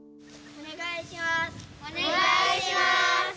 お願いします！